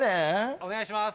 お願いします